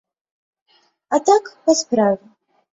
А так, па справе.